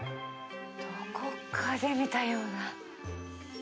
どこかで見たような。